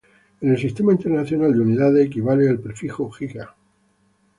En el Sistema Internacional de Unidades equivale al prefijo giga.